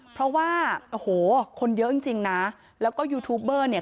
เพราะว่าโอ้โหคนเยอะจริงจริงนะแล้วก็ยูทูปเบอร์เนี่ย